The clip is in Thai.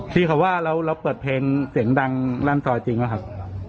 ที่เขาว่าแล้วเราเปิดเพลงเสียงดังรันทรจริงหรือครับ